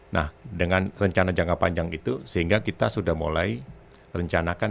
nah dengan rencana jangka panjang itu sehingga kita sudah mulai rencanakan